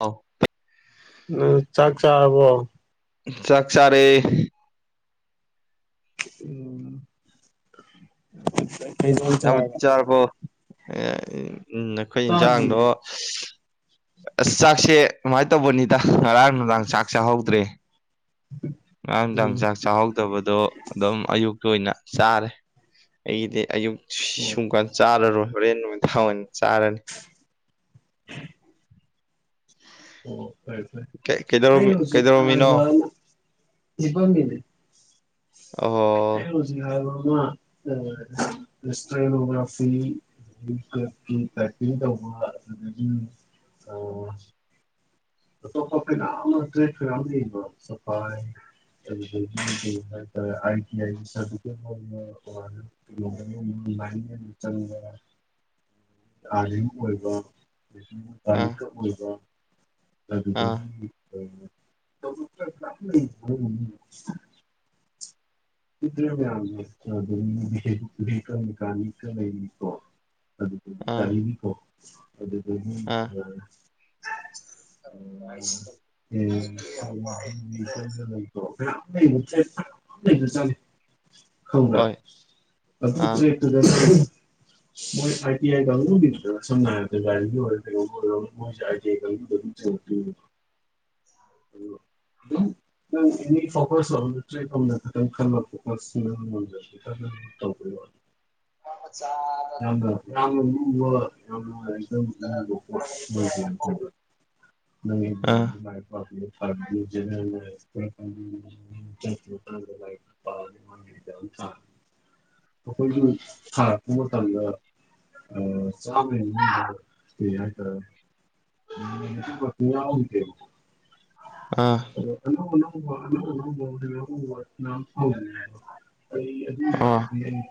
ꯑꯥꯎ ꯎꯝ ꯆꯥꯛ ꯆꯥꯕꯣ ꯆꯥꯛꯆꯔꯦ ꯎ ꯌꯥꯝ ꯆꯥꯔꯕꯣ ꯎ ꯅꯈꯣꯏ ꯏꯟꯁꯥꯡꯗꯣ ꯆꯥꯗ꯭ꯔꯤꯌꯦ ꯑꯁ ꯆꯥꯛꯁꯦ ꯀꯃꯥꯏꯅ ꯇꯧꯕꯅꯤꯗ ꯉꯔꯥꯡ ꯅꯨꯅꯨꯡꯗꯥꯡ ꯆꯥꯛ ꯆꯥꯍꯧꯗ꯭ꯔꯦ ꯉꯔꯥꯡꯗ ꯎꯝ ꯆꯥꯛ ꯆꯥꯍꯧꯗꯕꯗꯣ ꯑꯗꯨꯝ ꯑꯌꯨꯛ ꯂꯣꯏꯅ ꯆꯥꯔꯦ ꯑꯩꯒꯤꯗꯤ ꯑꯌꯨꯛ ꯑꯣ ꯁꯨꯡꯀꯥꯟ ꯆꯥꯔꯔꯣꯏ ꯍꯣꯔꯦꯟ ꯅꯣꯏ ꯊꯥꯅꯤ ꯆꯔꯅꯤ ꯎꯝ ꯐꯔꯦ ꯐꯔꯦ ꯀꯩ- ꯀꯩꯗꯧꯔꯝꯃꯤ ꯑꯩꯅ ꯍꯧꯖꯤꯛ ꯀꯩꯗꯧꯔꯝꯃꯤꯅꯣ ꯍꯥꯏꯕꯥ ꯍꯤꯞꯄꯝꯃꯤꯅꯦ ꯑꯣ [unintelligible] ꯗꯨꯒꯤ [unintelligible] ꯇꯧꯕ ꯑꯗꯨꯗꯒꯤ ꯑ [unintelligible] ꯑꯗꯨꯗꯒꯤ ꯀꯩ ꯍꯥꯏꯇꯥꯔꯦ [unintelligible] ꯁꯔꯇꯤꯐꯤꯀꯦꯠ ꯑꯣꯟꯕꯥ ꯑꯣꯔ [unintelligible] ꯑꯥ [unintelligible] ꯑꯥ [unintelligible] [unintelligible] [unintelligible] ꯑꯥ ꯑꯥ [unintelligible] [unintelligible] [unintelligible] ꯍꯣꯏ ꯑꯥ [unintelligible] [unintelligible] [unintelligible] [unintelligible] [unintelligible] ꯌꯥꯝꯅ ꯂꯨꯕ ꯌꯥꯝ ꯑꯥ ꯅꯨꯡꯉꯥꯏ [unintelligible] [unintelligible] [unintelligible] ꯑꯩꯈꯣꯏꯁꯨ ꯊꯥꯔꯛꯄ ꯃꯇꯝꯗ ꯆꯥꯝꯃꯩ ꯃꯅꯨꯡꯗ ꯀꯩ ꯍꯥꯏ [unintelligible] [unintelligible] [unintelligible] ꯑꯥ ꯑꯩ ꯑꯗꯨ ꯑꯥ ꯋꯥꯒꯗꯤ ꯑꯩ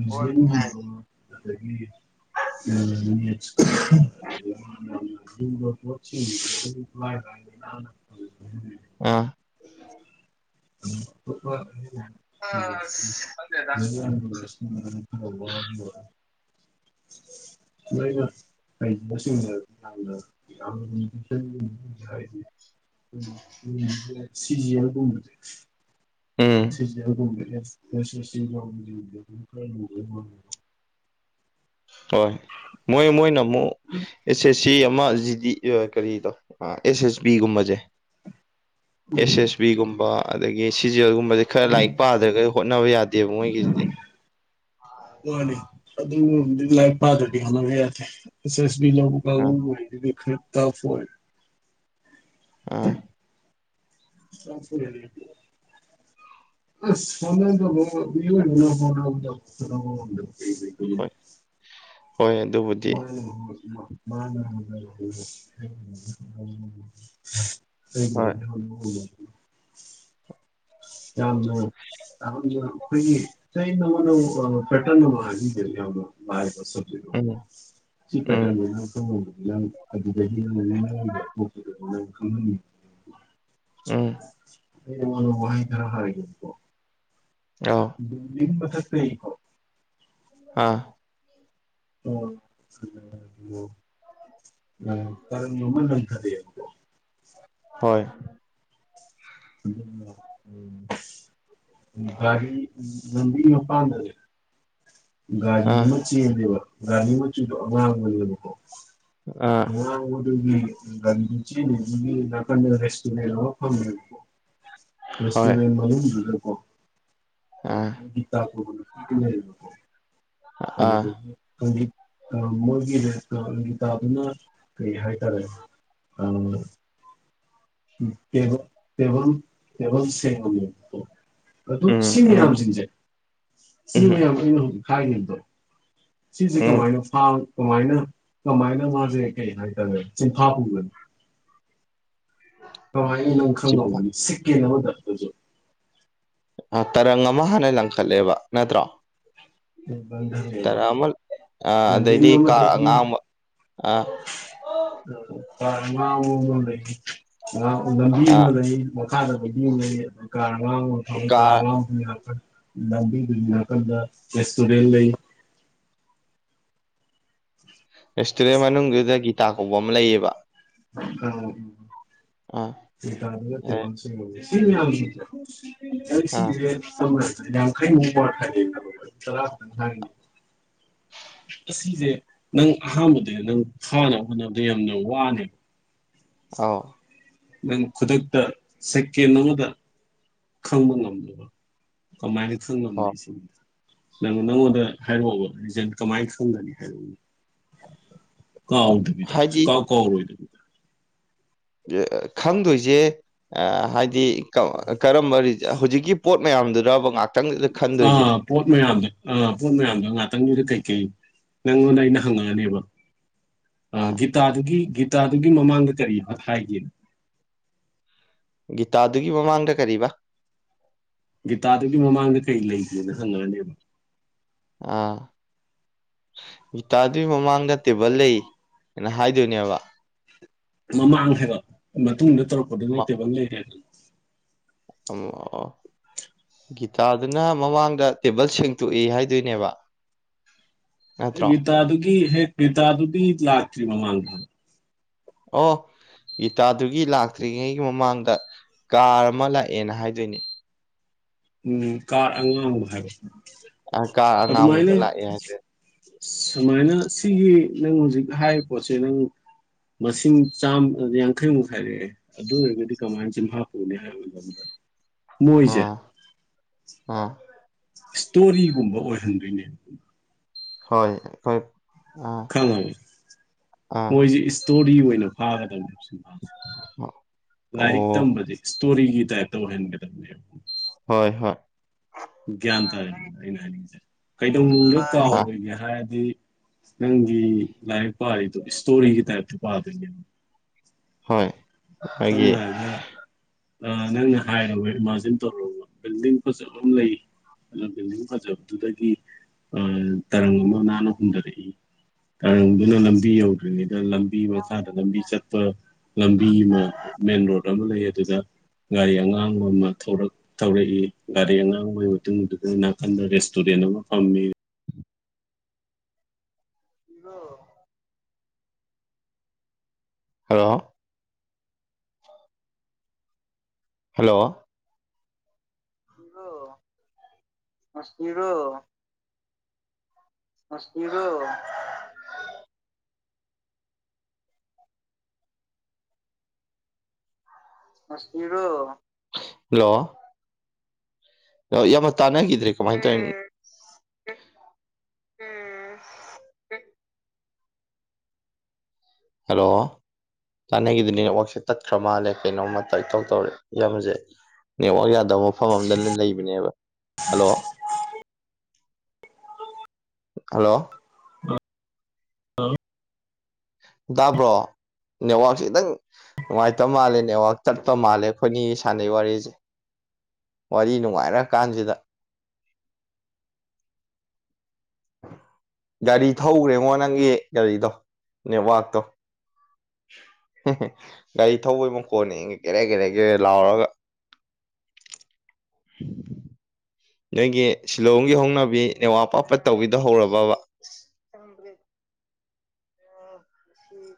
ꯃꯨꯁꯂꯤꯝꯒꯨꯝꯕ [unintelligible] [unintelligible] [unintelligible] [unintelligible] ꯑꯁ [unintelligible] ꯈꯪꯗꯦꯗ [unintelligible] [unintelligible] [unintelligible] ꯎꯝ ꯁꯦ ꯁꯤ ꯖꯤ ꯑꯥꯜ ꯒꯨꯝꯕꯁꯦ ꯎꯝ [unintelligible] ꯍꯣꯏ ꯃꯣꯏ ꯃꯣꯏꯅꯃꯨ ꯑꯦꯁ ꯑꯦꯁ ꯁꯤ ꯑꯃ ꯖꯤꯗꯤ ꯀꯔꯤ ꯗꯣ ꯑꯦꯁ ꯑꯦꯁ ꯕꯤ ꯒꯨꯝꯕꯁꯦ ꯑꯦꯁ ꯎꯝ ꯑꯦꯁ ꯕꯤꯒꯨꯝꯕ ꯑꯗꯒꯤ ꯁꯤ ꯒꯤ ꯑꯜ ꯈꯔ ꯂꯥꯏꯔꯤꯛ ꯄꯥꯗ꯭ꯔꯒ ꯍꯣꯠꯅꯕ ꯌꯥꯗꯦꯕ ꯃꯣꯏꯒꯤꯁꯤꯗꯤ ꯃꯥꯅꯤ ꯑꯗꯨ ꯂꯥꯏꯔꯤꯛ ꯄꯗꯔ꯭ꯗꯤ ꯍꯣꯠꯅꯕ ꯑꯦꯁ ꯑꯦꯁ ꯕꯤ ꯂꯧꯕ ꯑꯥ ꯀꯥꯡꯕꯨ [unintelligible] ꯑꯥ [unintelligible] [unintelligible] ꯍꯣꯏ [unintelligible] ꯍꯣꯏ ꯑꯗꯨꯕꯨꯗꯤ ꯃꯥ ꯍꯣꯏ ꯀꯩ ꯌꯥꯝꯝꯖꯝ ꯑꯩꯈꯣꯏꯒꯤ ꯆꯩ ꯑꯃꯅ ꯄꯦꯇꯔꯟ ꯑꯃ ꯍꯥꯏꯕꯤꯗꯔꯤꯗ ꯂꯕꯗ ꯎꯝ ꯁꯤ ꯎꯝ ꯄꯦꯔꯟ ꯂꯩ ꯑꯗꯨ ꯎꯝ ꯋꯥꯅ ꯋꯥꯍꯤ ꯈꯔ ꯍꯥꯏꯔꯒꯀꯣ ꯑꯥꯎ ꯃꯁ ꯇꯀꯣ ꯑꯥ ꯑꯣꯣ ꯑ ꯇꯔ ꯃꯃ ꯅꯪ ꯀꯊꯌ ꯍꯣꯏ ꯎ ꯔꯤ ꯎ ꯂꯝꯕꯤ ꯃꯄꯥꯟꯗꯔꯦ ꯒꯥꯔꯤ ꯑꯥ ꯑꯃ ꯆꯦꯜꯅꯦꯕ ꯒꯥꯔꯤ ꯃꯆꯨꯗꯣ ꯑꯉꯥꯡ ꯑꯣꯏꯅꯦꯕꯀꯣ ꯑꯥ ꯍ ꯑꯗꯨꯒꯤ ꯒꯤꯒꯤ ꯅꯥꯀꯟꯗ ꯔꯦꯁꯇꯨꯔꯦꯟ ꯑꯃ ꯐꯪꯉꯕꯀꯣ ꯔꯁ ꯍꯣꯏ ꯃ ꯑꯗꯨꯔꯀ ꯑꯥ ꯑ ꯒꯤ ꯇ ꯑꯥ [inaudible] ꯑ ꯃꯣꯏꯒꯤꯦꯪ ꯒꯤꯇꯥꯗꯨꯅ ꯀꯩ ꯍꯥꯏꯇꯥꯔꯦ ꯑꯝ ꯀꯕ ꯀꯕ ꯁꯃ ꯑꯗꯨ ꯎꯝ ꯁꯤ ꯎꯝ ꯃꯌꯥꯝꯁꯤꯡꯁꯦ ꯁꯤ ꯎꯝ ꯃꯌꯥꯝ ꯑꯩꯅ ꯍꯧꯖꯤꯛ ꯍꯥꯏꯅꯦꯕꯗꯣ ꯁꯤꯁꯤ ꯎꯝ ꯀꯃꯥꯏꯅꯣ ꯐ ꯀꯃꯥꯏꯅ ꯀꯃꯥꯏꯅ ꯃꯥꯁꯦ ꯀꯩ ꯍꯥꯏꯇꯥꯔꯦ ꯆꯤꯟꯐꯥ ꯄꯨꯒꯅꯤ ꯀꯃꯥꯏꯅ ꯅꯪ ꯈꯪꯉꯝꯒꯅꯤ ꯁꯤꯛꯀꯦꯅꯕꯗ ꯑꯗꯨꯁꯨ ꯇꯔꯪ ꯑꯃ ꯍꯥꯟꯅ ꯂꯪꯈꯠꯂꯦꯕ ꯅꯠꯇ꯭ꯔꯣ ꯕ ꯇꯔꯥ ꯑꯃ ꯑꯥ ꯑꯗꯩꯗꯤ ꯕꯦꯜꯗꯤꯝꯕ ꯇ ꯀꯥꯔ ꯑꯉꯥꯡꯕ ꯑꯥ ꯀꯔ ꯂꯝꯕꯤ ꯑꯥ ꯑꯃ ꯂꯩ ꯃꯈꯥꯗ ꯂꯝꯕꯤ ꯑꯃ ꯂꯩ ꯑꯗꯨ ꯀꯥꯔ ꯂꯥꯎ ꯀꯥꯔ ꯂꯥꯎꯕ ꯌꯥꯅꯤ ꯂꯥꯕꯤ ꯗꯔꯤꯅꯥ ꯀꯟꯗ ꯑꯦꯇꯣ ꯔꯦꯜꯦꯜ ꯂꯩ ꯔꯦꯁꯇꯨꯔꯦꯟ ꯃꯅꯨꯡꯗꯨꯗ ꯒꯤꯇꯥ ꯀꯧꯕ ꯑꯃ ꯂꯩꯌꯦꯕ ꯑꯥ ꯇꯗꯁꯨ ꯑꯦ ꯁꯤ꯭ꯔꯥ ꯑꯥ ꯈꯩꯅꯣꯔ ꯆ ꯍꯥꯏ ꯑꯁꯤꯁꯦ ꯅꯪ ꯑꯍꯥꯟꯕꯗ ꯅꯪ ꯐꯥꯅꯕ ꯍꯣꯠꯅꯕꯗ ꯌꯥꯝꯅ ꯋꯥꯅꯦꯕ ꯑꯥꯎ ꯅꯪ ꯈꯨꯗꯛꯇ ꯁꯦꯀꯦꯟ ꯑꯃꯗ ꯈꯪꯕ ꯉꯝꯗꯕ ꯀꯃꯥꯏꯅ ꯊ ꯉꯗ ꯑꯣ ꯁꯗ ꯅꯪ ꯅꯪꯉꯣꯟꯗ ꯍꯥꯏꯔꯛꯑꯣꯕ ꯔꯤꯖꯟ ꯀꯃꯥꯏꯅ ꯈꯪꯒꯅꯤ ꯍꯥꯏꯔꯛꯎ ꯀꯥꯎꯗꯕꯤꯗ ꯍꯥꯏꯗꯤ ꯀꯥꯎ ꯀꯥꯎꯔꯣꯏꯗꯕꯤꯗ ꯈꯪꯗꯣꯏꯁꯦ ꯍꯥꯏꯗꯤ ꯀꯔꯝꯕ ꯍꯧꯖꯤꯛꯀꯤ ꯄꯣꯠ ꯃꯌꯥꯝꯗꯨꯗ ꯉꯥꯛ ꯑꯥ ꯄꯣꯠ ꯃꯌꯥꯝꯗ ꯑꯥ ꯄꯣꯠ ꯃꯌꯥꯝꯗ ꯉꯥꯛ ꯈꯤꯇꯪꯗꯨꯗ ꯀꯩꯀꯩ ꯅꯪꯉꯣꯟꯗ ꯑꯩꯅ ꯍꯪꯉꯛꯑꯅꯦꯕ ꯑꯥ ꯒꯤꯇꯥꯗꯨꯒꯤ ꯒꯤ ꯍꯞꯇꯥꯗꯨꯒꯤ ꯃꯃꯥꯡꯗ ꯀꯔꯤ ꯍꯥꯏꯒꯦꯅ ꯒꯤꯇꯥꯗꯨꯒꯤ ꯃꯃꯥꯡꯗ ꯀꯔꯤꯕ ꯣ ꯑꯥ ꯎꯇꯥꯗꯨꯒꯤ ꯃꯃꯥꯡꯗ ꯇꯦꯕꯜ ꯂꯩ ꯍꯥꯏꯅ ꯍꯥꯏꯗꯣꯏꯅꯦꯕ ꯃꯃꯥꯡ ꯍꯥꯏꯕ ꯃꯇꯨꯡꯗ ꯇꯧꯔꯛꯄꯗꯨꯅ ꯇꯦꯕꯜ ꯂꯩꯔꯦꯗꯅ [unintelligible] ꯒꯤꯇꯥꯗꯨꯅ ꯃꯃꯥꯡꯗ ꯇꯦꯕꯜ ꯁꯦꯡꯇꯣꯛꯏ ꯍꯥꯏꯗꯣꯏꯅꯦꯕ ꯅꯠꯇ꯭ꯔꯣ ꯒꯤꯇꯥꯗꯨꯒꯤ ꯍꯦꯛ ꯒꯤꯇꯥꯗꯨꯗꯤ ꯂꯥꯛꯇ꯭ꯔꯤ ꯃꯃꯥꯡꯗ ꯑꯣ ꯒꯤꯇꯥꯗꯨꯒꯤ ꯂꯥꯛꯇ꯭ꯔꯤꯉꯩꯒꯤ ꯃꯃꯥꯡꯗ ꯀꯥꯔ ꯑꯃ ꯂꯥꯛꯑꯦꯅ ꯍꯥꯏꯗꯣꯏꯅꯦ ꯎꯝ ꯀꯥꯔ ꯑꯉꯥꯡ ꯍꯥꯏꯕ ꯑ ꯀꯥꯔ ꯑꯗꯨꯃꯥꯏꯅ ꯑꯉꯥꯡꯕꯗꯣ ꯂꯥꯛꯑꯦ ꯍꯥꯏꯗꯣꯏꯅꯦ ꯁꯨꯃꯥꯏꯅ ꯁꯤꯒꯤ ꯅꯪ ꯍꯧꯖꯤꯛ ꯍꯥꯏꯔꯤꯕ ꯄꯣꯠꯁꯦ ꯅꯪ ꯃꯁꯤꯡ ꯆꯥꯝ ꯌꯥꯡꯈꯩꯃꯨꯛ ꯍꯥꯏꯔꯛꯑꯦ ꯑꯗꯨ ꯑꯣꯏꯔꯒꯗꯤ ꯀꯃꯥꯏꯅ ꯆꯤꯝꯐꯥ ꯄꯨꯧꯅꯤ ꯍꯥꯏꯕꯖꯕꯗ ꯃꯣꯏꯁꯦ ꯑꯥ ꯑꯥ ꯏꯁꯇꯣꯔꯤꯒꯨꯝꯕ ꯑꯣꯏꯍꯟꯗꯣꯏꯅꯦ ꯍꯣꯏ ꯑꯩꯈꯣꯏ ꯑꯥ ꯈꯪꯉꯦ ꯑꯥ ꯃꯣꯏꯁꯤꯦ ꯏꯁꯇꯣꯔꯤ ꯑꯣꯏꯅ ꯐꯥꯒꯗꯧꯅꯦ ꯁꯤꯦ ꯑꯣ ꯂꯥꯏꯔꯤꯛ ꯇꯝꯕꯗꯤ ꯏꯁꯇꯣꯔꯤꯒꯤ ꯇꯥꯏꯞꯇ ꯑꯣꯏꯍꯟꯒꯗꯕꯅꯦꯕ ꯍꯣꯏ ꯍꯣꯏ ꯒ꯭ꯌꯥꯟ ꯇꯥꯔꯦ ꯑꯩꯅ ꯍꯥꯏꯅꯤꯡꯉꯤꯁꯦ ꯀꯩꯗꯧꯅꯨꯡꯗ ꯑ ꯀꯥꯎꯔꯔꯣꯏꯒꯦ ꯍꯥꯏꯔꯗꯤ ꯅꯪꯒꯤ ꯂꯥꯏꯛ ꯄꯥ ꯏꯁꯇꯣꯔꯤꯒꯤ ꯇꯥꯏꯞꯇ ꯄꯥꯗꯦ ꯍꯣꯏ ꯑꯩꯒꯤ ꯁꯅꯒ ꯑ ꯅꯪ ꯍꯥꯏꯔ ꯐꯥꯖꯤꯟ ꯇꯧꯔꯒ ꯕꯤꯜꯗꯤꯡ ꯐꯖꯕ ꯑꯃ ꯂꯩ ꯑꯗꯨꯗ ꯕꯤꯜꯗꯤꯡ ꯐꯖꯕꯗꯨꯗꯒꯤ ꯇꯔꯪ ꯑꯃ ꯅꯥꯟꯅ ꯍꯨꯟꯊꯔꯛꯏ ꯇꯔꯪꯗꯨꯅ ꯂꯝꯕꯤ ꯌꯧꯗ꯭ꯔꯤꯉꯩꯗ ꯂꯝꯕꯤ ꯃꯈꯥꯗ ꯂꯝꯕꯤ ꯆꯠꯄ ꯂꯝꯕꯤ ꯑꯃ ꯃꯦꯟ ꯔꯣꯗ ꯑꯃ ꯂꯩ ꯑꯗꯨꯗ ꯒꯥꯔꯤ ꯑꯉꯥꯡꯕ ꯑꯃ ꯊꯧꯛ ꯊꯧꯔꯛꯏ ꯒꯥꯔꯤ ꯑꯉꯥꯡꯕꯒꯤ ꯃꯇꯨꯡꯗ ꯟꯗ ꯔꯦꯁꯇꯨꯔꯦꯟ ꯑꯃ ꯐꯝꯃꯦ ꯏꯗꯣ ꯍꯜꯂꯣ ꯍꯜꯂꯣ ꯔꯣ ꯃꯁꯇꯒꯣ ꯍꯜꯂꯣ ꯌꯥꯝꯃ ꯇꯥꯟꯅꯈꯤꯗ꯭ꯔꯦ ꯀꯃꯥꯏꯅ ꯇꯧꯔꯤꯅꯣ ꯍꯜꯂꯣ ꯍꯥꯟꯅꯩꯒꯤꯗꯤ ꯅꯦꯠꯋꯥꯛꯁꯦ ꯇꯠꯈ꯭ꯔ ꯃꯥꯜꯂꯦ ꯀꯩꯅꯣꯝꯃꯇ ꯏꯇꯧ ꯇꯧꯔꯦ ꯏꯁꯦ ꯅꯦꯠꯋꯥꯛ ꯌꯥꯗꯦ ꯃꯐꯝ ꯑꯃꯗ ꯂꯩꯕꯅꯦꯕ ꯍꯜꯂꯣ ꯍꯜꯂꯣ ꯑ ꯑ ꯇꯥꯕ꯭ꯔꯣ ꯅꯦꯠꯋꯥꯔꯛꯁꯦ ꯈꯤꯇꯪ ꯅꯨꯡꯉꯥꯏꯇꯕ ꯃꯥꯜꯂꯦ ꯅꯦꯋꯥꯛ ꯆꯠꯄ ꯃꯥꯜꯂꯦ ꯑꯩꯈꯣꯏꯅꯤ ꯁꯥꯟꯅꯩ ꯋꯥꯔꯤꯁꯦ ꯋꯥꯔꯤ ꯅꯨꯡꯉꯥꯏꯔ ꯀꯥꯟꯁꯤꯗ ꯒꯥꯔꯤ ꯊꯧꯈ꯭ꯔꯦꯉꯣ ꯅꯪꯒꯤ ꯒꯥꯔꯤꯗꯣ ꯅꯦꯠꯋꯥꯛꯇꯣ ꯒꯥꯔꯤ ꯊꯧꯕꯩ ꯃꯈꯣꯟꯅꯤ ꯀꯦꯔ ꯀꯦꯔꯩ ꯀꯦꯔꯦ ꯂꯥꯎꯔꯒ ꯑ ꯅꯣꯏꯒꯤ ꯁꯤꯂꯣꯡꯒꯤ ꯍꯧꯅꯕꯤ ꯅꯦꯋꯥ ꯄꯄ ꯇꯧꯕꯤꯗ ꯍꯧꯔꯕꯕ